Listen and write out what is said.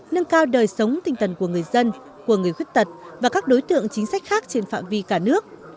nâng cao đời sống tinh thần của người dân của người khuyết tật và các đối tượng chính sách khác trên phạm vi cả nước